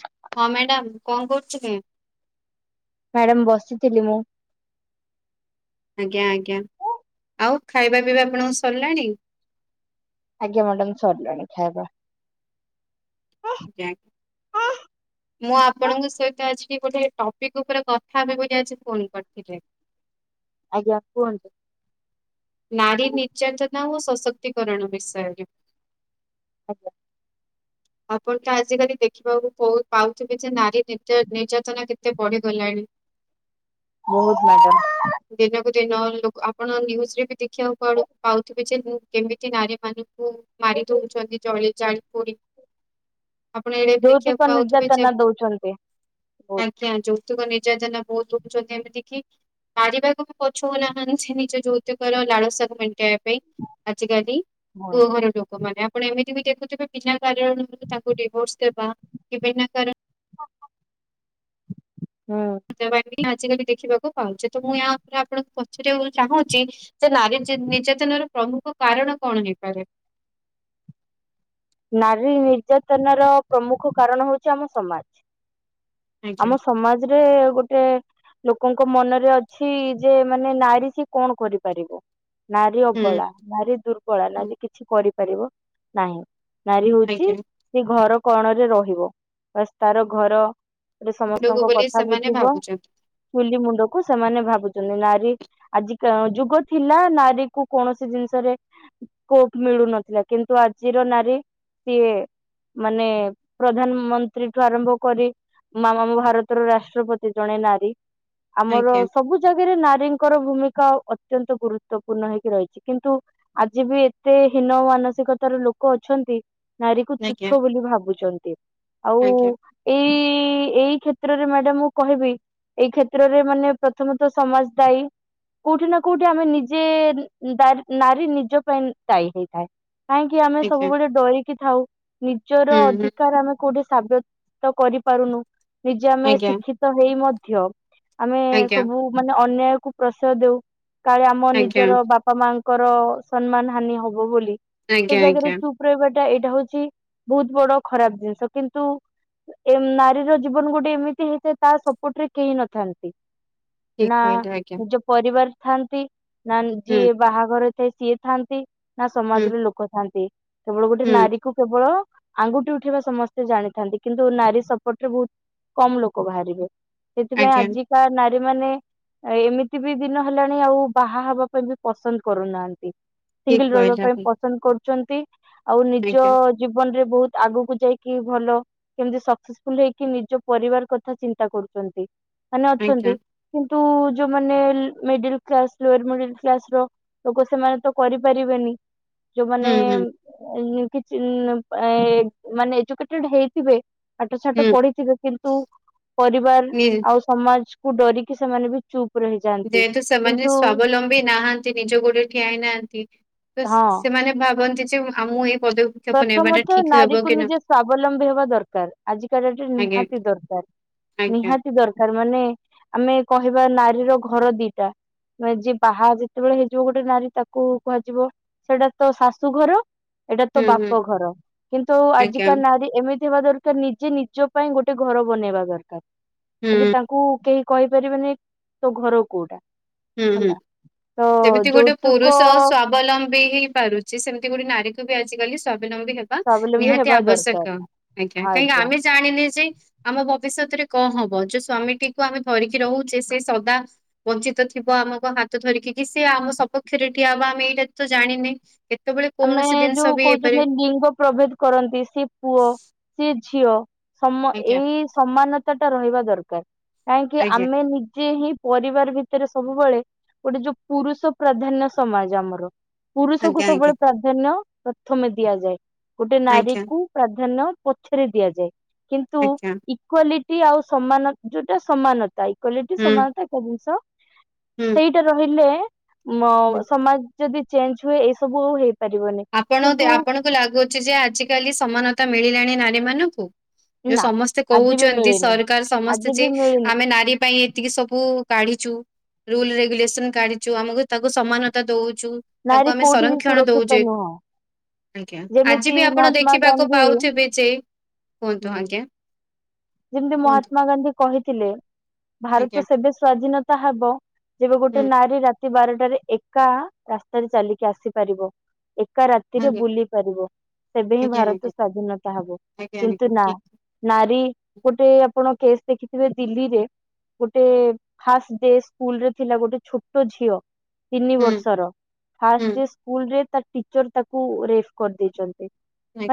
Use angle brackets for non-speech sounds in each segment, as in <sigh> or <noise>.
ସା <unintelligible> ହଁ ମ୍ୟାଡ଼ାମ୍, କଣ କରୁଛ କି? ମ୍ୟାଡ଼ାମ ବସିଥିଲି ମୁଁ। ଆଜ୍ଞା ଆଜ୍ଞା। ଆଉ ଖାଇବା ପିଇବା ଆପଣଙ୍କ ସରିଲାଣି। ଆଜ୍ଞା ମ୍ୟାଡାମ ସରିଲାଣି ଖାଇବା। ଆଃ <unintelligible> ମୁଁ ଆପଣଙ୍କୁ ସହିତ ଆଜି ଟିକେ ଗୋଟେ ଟପିକ୍ ଉପରେ କଥା ହେବି ବୋଲି ଆଜି ଫୋନ କରିଥିଲି। ଆଜ୍ଞା କୁହନ୍ତୁ। ନାରୀ ନିର୍ଯାତନା ଓ ସଶକ୍ତିକରଣ ବିଷୟରେ। ଆଜ୍ଞା। ଆପଣ ତ ଆଜିକାଲି ଦେଖିବାକୁ ପୋ ପାଉଥିବେ ଯେ ନାରୀ ନିର୍ଯ ନିଯତନା କେତେ ବଢିଗଲାଣି? <unintelligible> ବହୁତ <unintelligible> ମ୍ୟାଡ଼ମ୍। <unintelligible> ଦିନକୁ ଦିନ ଲୋକ ଆପଣ ନ୍ୟୁଜ ରେ ବି ଦେଖିବାକୁ ପାଳୁ ପାଉଥିବେ ଯେ- କିମିତି ନାରୀ ମାନଙ୍କୁ ମାରି ଦଉଛନ୍ତି ଜଳି ଜାଳି ପୋଡି। ଆପଣ ଏଇଡାକୁ ଯୌତିକ ଦେଖିବାକୁ ପାଉଥିବେ ଯେ ନିର୍ଯାତନା ଦଉଛନ୍ତି ବହୁତ ଆଜ୍ଞା। ଯୌତିକ ନିର୍ଯାତନା ବହୁତ ବଢ଼ୁଛନ୍ତି ଏମିତି କି। ମାରିବାକୁ ବି ପଛଉ ନାହାନ୍ତି ନିଜ ଯୌତୁକର ଲାଳସାକୁ ମେଣ୍ଟେଇବାକୁ। ପେଇ ଆଜିକାଲି ପୁଅ ଘର ଲୋକମାନେ ଆପଣ ଏମିତି ବି କେତେ ଥିବେ <unintelligible> ପୋଶିପାରିବନି ଯଦି ତାଙ୍କୁ ଡିଭରସ୍ ଦେଇ ବାହା <unintelligible> ବିନା କାରଣରେ। ହୁଁ। ଆଜିକାଲି ଦେଖିବାକୁ ପାଉଛେ। ତ ମୁଁ ଆଉ ଉପରେ ଆପଣଙ୍କୁ ପଚାରିବାକୁ ଚାହୁଁଛି। ସେ ନାରୀ ଜିନ୍ ନିର୍ଯାତନାର ପ୍ରମୁଖ କାରଣ କଣ ହେଇପାରେ? ନାରୀ ନିର୍ଯାତନାର ପ୍ରମୁଖ କାରଣ ହଉଛି ଆମ ସମାଜ। ଆଜ୍ଞା ଆମ ସମାଜରେ ଗୋଟେ ଲୋକଙ୍କ ମନରେ ଅଛି ଯେ ମାନେ ନାରୀ ସିଏ କଣ କରିପାରିବ? ନାରୀ ହୁଁ। ଅବଳା, ନାରୀ ଦୁର୍ବଳା, ହୁଁ, ନାରୀ କିଛି କରିପାରିବ ନାହିଁ। ନାରୀ ହଉଛି, ଆଜ୍ଞା ସେ ଘର କଣରେ ରହିବ ବାସ୍‌ ତାର ଘର ସେ ଭୁଲକୁ ସମସ୍ତଙ୍କ ବୋଲି କଥା ସେମାନେ ବୁଝିବ ଭାବୁଛନ୍ତି ଚୁଲି ମୁଣ୍ଡକୁ ସେମାନେ ଭାବୁଚନ୍ତି ନାରୀ ଆଜିକ ଯୁଗ ଥିଲା ନାରୀକୁ କୌଣସି ଜିନଷରେ ସ୍କୋପ ମିଳୁନଥିଲା କିନ୍ତୁ ଆଜିର ନାରୀ ସିଏ ମାନେ ପ୍ରଧାନମନ୍ତ୍ରୀଠୁ ଆରମ୍ଭ କରି ମା ଆମ ଭାରତର ରାଷ୍ଟ୍ରପତି ଜଣେ ନାରୀ ଆମର ଆଜ୍ଞା ସବୁ ଯେ ଆଜିର ନାରୀଙ୍କର ଭୂମିକା ଅତ୍ୟନ୍ତ ଗୁରୁତ୍ୱପୂର୍ଣ୍ଣ ହେଇକି ରହିଚି କିନ୍ତୁ ଆଜି ବି ଏତେ ହୀନ ମାନସିକତାର ଲୋକ ଅ ଅଛନ୍ତି ନାରୀକୁ ଆଜ୍ଞା ତୁଛ ବୋଲି ଭାବୁଚନ୍ତି ଆଉ ଆଜ୍ଞା ଏଇ ଇ ଏଇ କ୍ଷେତ୍ରରେ ମ୍ୟାଡାମ ମୁଁ କହିବି ଏଇ କ୍ଷେତ୍ରରେ ମାନେ ପ୍ରଥମେ ତ ସମାଜ ଦାୟୀ। କୋଉଠି ନା କୋଉଠି ଆମେ ନିଜେ ଦାର ନାରୀ ନିଜ ପାଇଁ ଦାୟୀ ହେଇଥାଏ। କାହିଁକି ଆମ୍ ଆଜ୍ଞା ସବୁବେଳେ ଡରିକି ଥାଉ ନିଜର ହୁଁ ହୁଁ ଅଧିକାର ଆମେ କୋଉଠି ସାବ୍ୟସ୍ତ କରିପାରୁନୁ। ନିଜେ ଆମେ ଆଜ୍ଞା ଶିକ୍ଷିତ ହେଇ ମଧ୍ୟ ଆମେ ଆଜ୍ଞା ସବୁ ମାନେ ଅନ୍ୟାୟକୁୁ ପ୍ରସୟ ଦେଉ କାଳେ ଆମ ଆଜ୍ଞା ନିଜର ବା ପା ମାଆଙ୍କର ସମ୍ମାନ ହାନି ହବ ବୋଲି ସେ ଆଜ୍ଞା ଜାଗାରେ ଆଜ୍ଞା ପୁରେଇବାଟା ଏଇଟା ହୋଉଚି ବୋହୁତ ବଡ ଖରାପ ଜିନିଷ କିନ୍ତୁ ଏ ନାରୀର ଜୀବନ ଗୋଟେ ଏମିତି ହେଇଥାଏ ତା ସପୋର୍ଟରେ କେହି ନଥାନ୍ତି। ଠିକ ତି ନା କହିଲେ ଆଜ୍ଞା ନିଜ ପରିବାର ଥାଆନ୍ତି ନା ହୁଁ ଯିଏ ବାହାଘର ଥାଏ ସିଏ ଥାନ୍ତି ନା ହୁଁ ସମାଜରେ ଲୋକ ଥାଆନ୍ତି କେବଳ ଗୋଟେ ହୁଁ, ନାରୀ କେବଳ ଆଙ୍ଗୁଠି ଉଠେଇବା ସମସ୍ତେ ଜାଣିଥାନ୍ତି କିନ୍ତୁ ନାରୀ ସପୋଟରେ ଭୋଉ କମ ଲୋକ ବାହାରିବେ ସେଥିପାଇଁ ଆଜ୍ଞା, ଆଜିକା ନାରୀମାନେ ଆଉ ଏମିତି ବି ଦିନ ହେଲାଣି ଆଉ ବାହାହବା ପାଇଁ ବି ପସନ୍ଦ କରୁନାହାନ୍ତି। ଠିକ୍ ସିଙ୍ଗଲ ରହିବା କହିଲେ ପାଇଁ ଆପଣ। ପସନ୍ଦ କରୁଚନ୍ତି। ଆଉ ନିଜ ଆଜ୍ଞା, ଜୀବନରେ ବୋହୁତ ଆଗକୁ ଯାଇକି ଭଲ କେମତି ସକ୍ସେସଫୁଲ ହେଇକି ନିଜ ପରିବାର କଥା ଚିନ୍ତା କରୁଛନ୍ତି ମାନେ ଆଜ୍ଞା, ଅଛନ୍ତି। କିନ୍ତୁ ଯୋଉ ମାନେ ମିଡିଲ କ୍ଲାସରେ ମିଡିଲ କ୍ଲାସର ଲୋକ ସେମାନେ ତ କରିପାରିବେନି ହୁଁ, ଯୋଉମାନେ ହୁଁ, ଏଇ କିଛି ନା ପା ଏ ମାନେ ଏଜୁକେଟେଡ ହେଇଥିବେ ପାଠ ହୁଁ, ସାଠ ପଢିଥିବେ କିନ୍ତୁ ପରିବାର ନି ଆଉ ସମାଜକୁୁ ଡରିକି ସେମାନେ ବି ଚୁପ ରହିଯାଆନ୍ତି ଯେହେତୁ ସେମାନେ କିନ୍ତୁ ସ୍ୱାବଲମ୍ବୀ ନାହାନ୍ତି। ନ୍ତି ନିଜ ଗୋଡରେ ଠିଆଇନାହାନ୍ତି ତ ହଁ ସେମାନେ ଭାବନ୍ତି ଯେ ମ୍ ଆମ ଏଇ ପଦ ପ୍ରଥମତଃ ନାରୀକୁ ନିଜେ ସ୍ଵାବଲମ୍ବୀ ହେବା ଦରକାର ଆଜ କାଲିକା ଡେଟରେ ଆଜ୍ଞା, ନିହାତି ଦରକାର। ଆଜ୍ଞା, ନିହାତି ଦରକାର ମାନେ ଆମେ କହିବା ନାରୀର ଘର ଦିଇଟା ନା ଯିଏ ବାହା ଯେତେବେଳେ ହେଇଯିବ ଗୋଟେ ନାରୀ ତାକୁ କୁହାଯିବ ସେଇଟା ତୋ ଶାଶୁଘର ତୋ ହୁଁ, ହୁଁ, ବାପ ଘର କିନ୍ତୁ ଆଜ୍ଞା, ଆଜିକା ନାରୀ ଏମି ଥିବା ଦରକାର ନିଜେ ନିଜ ପାଇଁ ଗୋଟେ ଘର ବନେଇବା ହୁଁ, ଦରକାରକ ଏବେ ତାଙ୍କୁ କେହି କହିପାରିବେନି ତୋ ଘର କୋଉଟା। ହୁଁ ହୁଁ ହେଲା ତ ଯେମିତି ଗୋଟେ ଯୌତୁକ ପୁରୁଷ ସ୍ୱାବଲମ୍ବୀ ହେଇ ପାରୁ ଯେ ସେମତି ଗୋଟେ ନାରୀକୁ ବି ଆଜିକାଲି ସ୍ଵାବଲମ୍ବୀ ହେବା ସ୍ୱାବଲମ୍ବୀ ନିହାତି ହେବା ଆବଶ୍ୟକ ଦରକାର ଆଜ୍ଞା କାହିଁକିନା ଆମେ ଜାଣିଲି ସେଇ ଆମ ଭବିଷ୍ୟତରେ କଣ ହବ ଯୋଉ ସ୍ଵାମୀଟିକୁ ଆମେ ଧରିକି ରହୁଚେ ସେ ସଦା ବଞ୍ଚିତ ଥି ଥିବ ଆମକୁ ହାତ ଧରିକି କି ସେ ଆମ ସପକ୍ଷରେ ଠଆ ହବ ଆମେ ଏଇଟା ତ ଜାଣିନେ। କେତେବେଳେ ଆମେ କୌଣସି ଜିନିଷ ଯୋଉ ବି ହେଇପାରେ କୋହୁଚନ୍ତି ଲିଙ୍ଗ ପ୍ରଭେଦ କରନ୍ତି ସିଏ ପୁଅ ସିଏ ଝିଅ ସମ ଆଜ୍ଞା ଏଇ ସମାନତା ଟା ରହିବା ଦରକାର। କାହିଁକି ଆଜ୍ଞା ଆମେ ନିଜେ ହିଁ ପରିବାର ଭିତରେ ସବୁବେଳେ ଗୋଟେ ଯୋଉ ପୁରୁଷ ପ୍ରାଧାନ୍ୟ ସମାଜ ଆମର। ପୁରୁଷକୁ ଆଜ୍ଞା ଆଜ୍ଞା ସବୁବେଳେ ପ୍ରାଧାନ୍ୟ ପ୍ରଥମେ ଦିଆଯାଏ। ଗୋଟେ ଆଜ୍ଞା ନାରୀକୁ ପ୍ରାଧାନ୍ୟ ପଛରେ ଦିଆଯାଏ କିନ୍ତୁ <unintelligible> ଇକ୍ୱାଲିଟି ଆଉ ସମାନ ଯୋଉଟା ସମାନତା। ଇକ୍ଵାଲିଟି, ହୁଁ ସମାନତା ଏକା ଜିନିଷ। ହୁଁ ସେଇଟା ରହିଲେ ମ ହୁଁ ସମାଜ ଯଦି ଚେଞ୍ଜ୍ ହୁଏ ଏଇ ସବୁ ଆଉ ହେଇପାରିବନି। ଆପଣ କିନ୍ତୁ ଆପଣଙ୍କୁ ଲାଗୁଛି ଯେ ଆଜିକାଲି ସମାନତା ମିଳିଲାଣି ନାରୀ ମାନଙ୍କୁ। ଯୋଉ ନା ସମସ୍ତେ ଆଜି ବି କହୁଛନ୍ତି ମିଳିନି ସରକାର ସମସ୍ତେ ଆଜି ଯେ ବି ମିଳିନି ଆମେ ନାରୀ ପାଇଁ ଏତିକି ସବୁ କାଢିଚୁ, ରୁଲ୍ ରେଗୁଲେସନ କାଢିଛୁ। ଆମକୁ ତାକୁ ସମାନତା ଦଉଛୁ। ନାରୀ ତାକୁ ଆମେ କୋଉଠି ବି ସଂରକ୍ଷଣ ସୁରକ୍ଷିତ ଦଉଚେ। ନୁହଁ ଆଜ୍ଞା। ଆଜି ଯେମିତି ବି ଆପଣ ମହାତ୍ମା ଦେଖିବାକୁ ଗାନ୍ଧୀ ହୁଁ ପାଉଥିବେ ଯେ, କୁହନ୍ତୁ ଆଜ୍ଞା। ଯେମିତି କୁହନ୍ତୁ ମହାତ୍ମା କୁହନ୍ତୁ। ଗାନ୍ଧୀ କହିଥିଲେ, ଆଜ୍ଞା ଭାରତ ସେବେ ସ୍ଵାଧୀନତା ହବ ଯେବେ ଗୋଟେ ହୁଁ ନାରୀ ରା ରାତି ବାରଟାରେ ଏକା ରାସ୍ତାରେ ଚାଲିକି ଆସିପାରିବ। ଏକା ରାତି ରାତିରେ ଆଜ୍ଞା ବୁଲି ପାରିବ? ସେବେ ହିଁ ଆଜ୍ଞା ଭାରତ ଆଜ୍ଞା ସ୍ଵାଧୀନତା ହବ। ଆଜ୍ଞା କିନ୍ତୁ ଆଜ୍ଞା ନା, ଠିକ ନାରୀ, ଗୋଟେ ଆପଣ କେସ୍ ଦେଖିଥିବେ ଦିଲ୍ଲୀରେ ଗୋଟେ ଫାଷ୍ଟ୍ ଡେ ସ୍କୁଲରେ ଥିଲା, ଗୋଟେ ଛୋଟ ଝିଅ ତିନି ହୁଁ ବର୍ଷର। ଫାଷ୍ଟ୍ ହୁଁ ଡେ ସ୍କୁଲରେ ତା ଟି ଚର୍ ତାକୁ ରେଫ୍ କରିଦେଇଚନ୍ତି।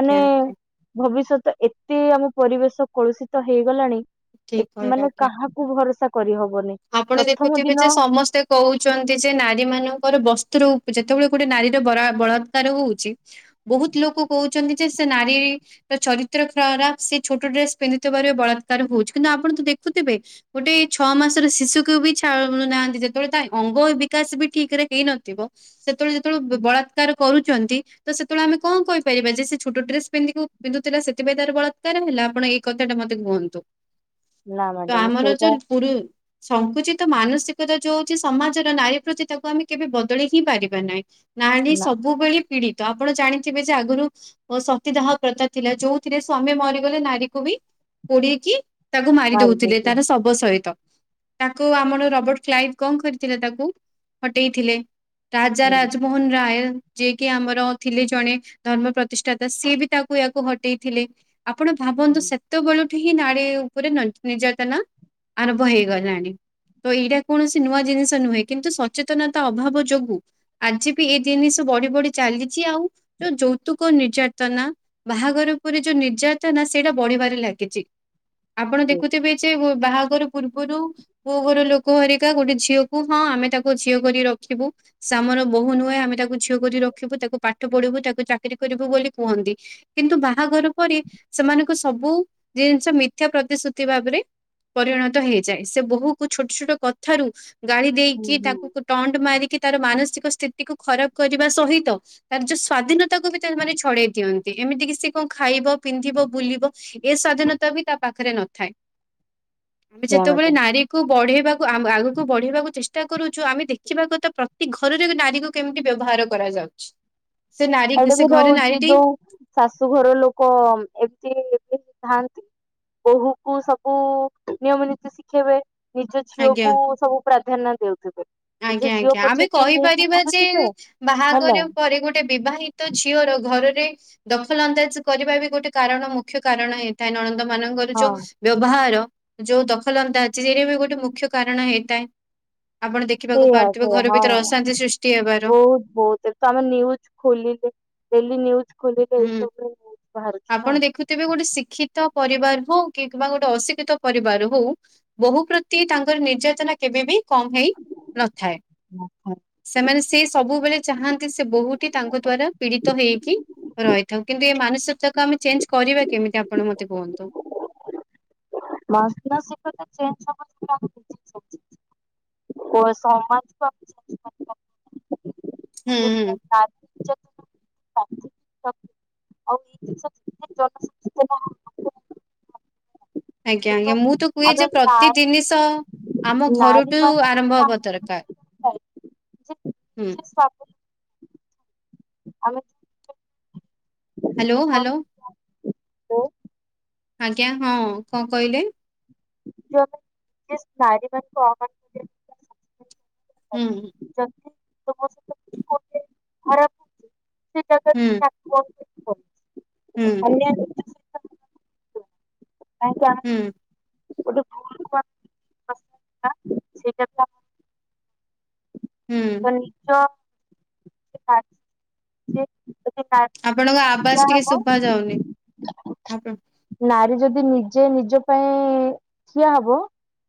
ମାନେ ଆଜ୍ଞା ଭବିଷ୍ୟତ ଏତେ ଆମ ପରିବେଶ କଳୁଷିତ ହେଇଗଲାଣି, ଠିକ କହିଲେ ମାନେ ଆଜ୍ଞା କାହା କୁ ଭରସା କରିହବନି। ଆପଣ ଦେଖୁଥିବେ ଦିନ ଯେ ସମସ୍ତେ କହୁଛନ୍ତି, ଯେ ନାରୀ ମାନଙ୍କର ବସ୍ତ୍ରଉ ଯେତେବେଳେ ଗୋଟେ ନାରୀର ବଳାତ୍କାର ହଉଛି ବହୁତ ଲୋକ କହୁଛନ୍ତି ଯେ, ସେ ନାରୀ ତାର ଚରିତ୍ର ଖରାପ୍। ସେ ଛୋଟ ଡ୍ରେସ ପିନ୍ଧିଥିବାରୁ ବଳାତ୍କାର ହଉଛି କିନ୍ତୁ ଆପଣ ତ ଦେଖୁଥିବେ ଗୋଟେ ଛଅ ମାସ ଶିଶୁକୁ ବି ଛାଡୁ ନାହାନ୍ତି, ଯେତେବେଳେ ତା ଅଙ୍ଗ ବିକାଶ ବି ଠିକ୍ ରେ ହେଇନଥିବ। ସେତେବେଳେ ଯେତେବେଳେ ବଳାତ୍କାର କରୁଚନ୍ତି ତ ସେତେବେଳେ ଆମେ କଣ କହିପାରିବା। ଯେ ସେ ଛୋଟ ଡ୍ରେସ୍ ପି-ପିନ୍ଧୁଥିଲା ସେଥିପାଇଁ ତାର ବଳାକାର ହେଲା। ଆପଣ କଥାଟା ମତେ କୁହନ୍ତୁ। ନା ତ ମ୍ୟାଡାମ ଆମର ସେଇଟା ଯୋଉ, ପୁରୁ ସଂକୁଚିତ ମାନସିକତା ଯୋଉ ସମାଜର ନାରୀ ପ୍ରତି ତାକୁ ଆମେ କେବେ ବଦଳେଇ ହିଁ ପାରିବା ନାହିଁ। ନାରୀ ନା ସବୁବେଳେ ପୀଡିତ। ଆପଣ ଜାଣିଥିବେ ଯେ ଆଗରୁ ଓ ସତୀ ଦାହ ପ୍ରଥା ଥିଲା। ଯୋଉଥିରେ ସ୍ଵାମୀ ମରିଗଲେ ନାରୀକୁ ବି ପୋଡିକି ତାକୁ ମାରି ଦଉଥିଲେ। ମାରିଦେଇଛି ତାର ଶବ ସହିତ। ତାକୁ ଆମର ରବର୍ଟ କ୍ଲାଇଭ୍ କଣ କରିଥିଲେ। ତାକୁ ହଟେଇଥିଲେ। ରାଜା ହୁଁ। ରାଜମୋହନ ରାୟ ଯିଏ କି ଆମର ଥିଲେ ଜଣେ ଧର୍ମ ପ୍ରତିଷ୍ଠାତା। ସିଏ ବି ତାକୁ ୟାକୁ ହଟେଇଥିଲେ। ଆପଣ ହୁଁ ଭାବନ୍ତୁ। ସେତେବେଳଠୁ ହିଁ ନାାରୀ ଉପରେ ନିର୍ଯାତନା ଆରମ୍ଭ ହେଇ ଗଲାଣି ତ ଏଇଟା କୌଣସି ନୂଆ ଜିନିଷ ନୁହେଁ କିନ୍ତୁ ସଚେତନତା ଅଭାବ ଯୋଗୁ ଆଜି ବି ଏଇ ଜିନିଷ ବଢି ବଢି ଚାଲିଛି। ଆଉ ଯୋଉ ଯୌତୁକ ନିର୍ଯାତନା ବାହାଘର ପରେ ଯୋଉ ନିର୍ଯାତନା ସେଇଟା ବଢିବାରେ ଲାଗିଚି। ଆପଣ ଦେଖୁଥିବେ ଯେ ବାହାଘର ଆଗରୁ ପୁଅ ଘର ଲୋକ ହରିକା ଗୋଟେ ଝିଅକୁ, ହଁ, ଆମେ ତାକୁ ଝିଅ କରି ରଖିବୁ। ସେ ଆମର ବୋହୂ ନୁହେଁ, ଆମେ ତାକୁ ଝିଅ କରି ରଖିବୁ। ତାକୁ ପାଠ ପଢ଼ିବୁ, ତାକୁ ଚାକିରି କରିବୁ ବୋଲି କୁହନ୍ତି। କିନ୍ତୁ, ବାହାଘର ପରେ ସେମାନଙ୍କ ସବୁ ଜିନିଷ ମିଥ୍ୟା ପ୍ରତିଶ୍ରୁତି ଭାବରେ ପରିଣତ ହେଇଯାଏ। ସେ ବୋହୂ କୁ ଛୋଟ ଛୋଟ କଥାରୁ ଗାଳି ଦେଇକି ହୁଁ। ତାକୁ ଟଣ୍ଟ ମାରିକି ତାର ମାନସିକ ସ୍ଥିତିକୁ ଖରାପ କରିବା ସହିତ ତାର ଯୋଉ ସ୍ଵାଧୀନତାକୁୁ ବି ତା ମାନେ ଛଡେଇ ଦିଅନ୍ତି। ଏମିତି କିି ସେ କଣ ଖାଇବ, ପିନ୍ଧିବ, ବୁଲିବ ଏ ସ୍ଵାଧୀନତା ବି ତା ପାଖରେ ନଥାଏ। ଆମେ ସେଇଆ ଯେତେବେଳେ ମ୍ୟାଡାମ ନାରୀକୁ ବଢ଼େଇବା କୁ ଆଗକୁ ବଢିବାକୁ ଚେଷ ଚେଷ୍ଟା କରୁଛୁ। ଆମେ ଦେଖିବା କଥା, ପ୍ରତି ଘରରେ ନାରୀକୁ କେମିତି ବ୍ୟବହାର କରାଯାଉଛି। ସେ ନାରୀ, ଏଇଟା ବି ସେ ଘରେ ରହୁଛି ନାରୀଟି ଯୋଉ ଶାଶୁ ଘର ଲୋକ ଏମିତି ହେ ଥାନ୍ତି ବୋହୂକୁ ସବୁ ନିୟମ ନୀତି ଶିଖେଇବେ। ନିଜ ଝିଅ ଆଜ୍ଞା କୁ ସବୁ ପ୍ରାଧାନ୍ୟ ଦେଉଥିବେ। ନିଜ ଆଜ୍ଞା, ଝିଅ ଆଜ୍ଞା, ଆମେ ପଛକେ ଇଏ ହେଇକି କହିପାରିବା ଯେ, ବୁଲୁଥିବେ ହେଲା ବାହାଘର ପରେ ଗୋଟେ ବିବାହି ହିତ ଝିଅର ଘରରେ ଦଖଲ ଅନ୍ଦାଜ କରିବା ବି ଗୋଟେ କାରଣ, ମୁଖ୍ୟ କାରଣ ଏଇ ତା ନଣନ୍ଦ ମାନଙ୍କର ହଁ ଯଉ ବ୍ୟବହାର, ଯଉ ଦଖଲ ଅନ୍ଦାଜି, ସେଇଟା ବି ଗୋଟେ ମୁଖ୍ୟ କାରଣ ହେଇଥାଏ। ଆପଣ ଦେଖ ଦେଖିବାକୁ ସେଇଆ ପାରୁଥିବେ, ସେଇଆ ଘର ଭିତରେ ହଁ। ଅଶାନ୍ତି ସୃଷ୍ଟି ହେବାର। ବହୁତ ବହୁତ, ତମେ ନିୟୁଜ ଖୋଲିଲେ ଡେଲି ନିୟୁଜ ହୁଁ, ଆପଣ ଦେଖୁ ଥିବେ ଗୋଟେ ଶିକ୍ଷିତ ପରିବାର ହଉ, କି କିମ୍ବା ଗୋଟେ ଅଶିକ୍ଷିତ ପରିବାର ହଉ ବୋହୂ ପ୍ରତି ତାଙ୍କର ନିର୍ଯାତନା କେବେ ବି କମ୍ ହେଇ ନଥାଏ। ନା। ସେମାନେ ସେ ସବୁବେଳେ ଚାହାନ୍ତି, ସେ ବହୂଟି ତାଙ୍କ ଦ୍ଵାରା ପୀଡ଼ିତ ହେଇକି ରହିଥାଉ, କିନ୍ତୁ ଏ ମାନସିକତାକୁ ଆମେ ଚେଞ୍ଜ କରିବା କେମିତି, ଆପଣ ମତେ କୁହନ୍ତୁ। <unintelligible> ଓ, <unintelligible> କରିପାରିବା। ହୁଁ-ଉ-ଉ। <unintelligible> <unintelligible> ଆଜ୍ଞା, ଆଜ୍ଞା, କିନ୍ତୁ ମୁଁ ତୁ କୁହେ ଯେ, ଆମେ ପ୍ରତି ନାରୀ ଜିନିଷ ଆମ ନାରୀ ଘରଠୁ ଆରମ୍ଭ ମାନଙ୍କୁ ହବା ଦରକାର। ଆମେ ହୁଁ। ନିଜେ ସ୍ୱାବଲମ୍ବୀ ଆମେ ହାଲୋ, ଇଏ କରୁ ହାଲୋ। ଓ ଆଜ୍ଞା ହଁ, କଣ କହିଲେ? <unintelligible> ହୁଁଁ। <unintelligible> ହଉ, ହୁଁ ହୁଁ <unintelligible> ହୁଁ <unintelligible> ହୁଁ। ଶୁଇଛ? <unintelligible> <unintelligible> ଆପଣଙ୍କ ଆବାଜ ଟିକେ ଶୁଭା ଯାଉନି। ଆପଣ ନାରୀ ଯଦି ନିଜେ ନିଜ ପାଇଁ ଠିଆ ହବ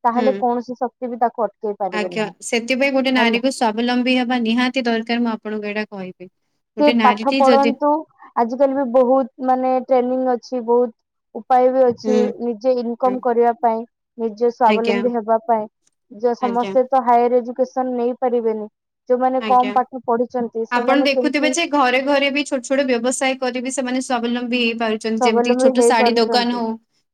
ତାହେଲେ ହୁଁ। କୌଣସି ସ କେହି ବି ତାକୁ ଅଟକେଇ ପାରିବେ ଆଜ୍ଞା, ନାହିଁ ସେଥିପାଇଁ ଗୋଟେ ହେଲା। ନାରୀକୁ ସ୍ଵାବଲମ୍ବୀ ହେବା ନିହାତି ଦରକାର ମୁଁ ଆପଣଙ୍କୁ ଏଇଟା କହିବି। ସେ ଗୋଟେ ପାଠ ନାରୀଟି ଯଦି ପଢନ୍ତୁ, ଆଜିିକାଲି ବି ବହୁତ ମାନେ ଟ୍ରେନିଂ ଅଛି ବହୁତ ଉପାୟ ବି ଅଛି, ହୁଁ ନିଜେ ଇନ୍ ହୁଁ କମ୍ କରିବା ପାଇଁ ନିଜେ ଆଜ୍ଞା ସ୍ୱାବଲମ୍ବୀ ହେବା ପାଇଁ ଯେ ଆଜ୍ଞା ସମସ୍ତେ ତ ହାଇଅର ଏଜୁକସନ ନେଇ ପାରିବେନି, ଯେଉଁମାନେ ଆଜ୍ଞା। କମ ପାଠ ପଢିଛନ୍ତି ଆପଣ ସେମାନେ କେମି ଦେଖୁଥିବେ ଯେ ଘରେ ଘରେ ବି ଛୋଟ ଛୋଟ ବ୍ୟବସାୟ କରି ବି ସେମାନେ ସୁଅବଲମ୍ବୀ ହେଇପାରି ଯେମିତି ଏମିତିକି ସ୍ୱାବଲମ୍ବୀ ଛୋଟ ହେଇ ଶାଢୀ ଦୋକାନ ପାରୁଛନ୍ତି ହଉ,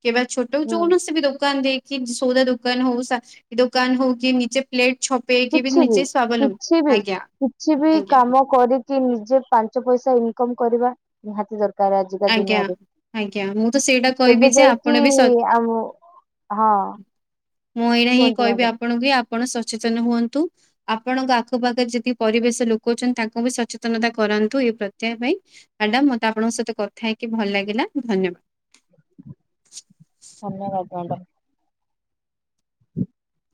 କିମ୍ବା ଛୋଟ ହୁଁ କୌଣସି ବି ଦୋକାନ ଦେଇକି କି ସଉଦା ଦୋକାନ ହଉ, ସା ଡି ଦୋକାନ ହଉ କି ନିଜେ ପ୍ଲେଟଛପ ଦେଇକି ବି କିଛି ନିଜେ ସ୍ୱାବଲମ୍ବୀ, କିଛି ବି ଆଜ୍ଞା କିଛି ବି ଆଜ୍ଞା କାମ କରିକି ନିଜେ ପାଞ୍ଚ ପଇସା ଇନକମ୍ କରିବା ନିହାତି ଦରକାର। ଦ ଆଜିକା ଆଜ୍ଞା ଦୁନିଆରେ ଆଜ୍ଞା ମୁଁ ତ ସେଇଟା କହିବି ସେବେ ଯେ ଆପଣ ଯାଇକି ବି ସ ଆମ <unintelligible> ହଁ। ମୁଁ ଏଇଆ ହିଁ କୁହନ୍ତୁ କହିବି ମ୍ୟାଡାମ ଆପଣଙ୍କୁ, କି ଆପଣ ସଚେତନ ହୁଅନ୍ତୁ। ଆପଣଙ୍କ ଆଖ ପାାଖରେ ଯେତିକି ପରିବେଶ ଲୋକ ଅଛନ୍ତି ତାଙ୍କୁ ବି ସଚେତନତା କରାନ୍ତୁ, ଏଇ ପ୍ରତ୍ୟାୟ ପାଇଁ। ମାଡାମ, ମତେ ଆପଣଙ୍କ ସହିତ କଥା ହେଇକି ଭଲ ଲାଗିଲା ଧନ୍ୟବାଦ। ଧନ୍ୟବାଦ ମ୍ୟାଡ଼ାମ ହୁଁ <unintelligible>